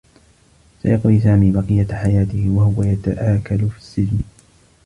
سيقضي سامي بقيّة حياته و هو يتآكل في السّجن.